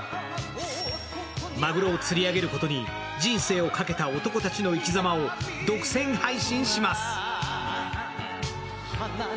マグロを釣り上げることに人生を賭けた男たちの生き様を独占配信します。